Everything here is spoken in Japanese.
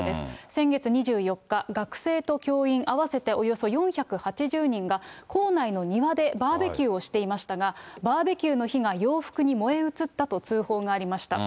先月２４日、学生と教員合わせておよそ４８０人が、校内の庭でバーベキューをしていましたが、バーベキューの火が洋服に燃え移ったと通報がありました。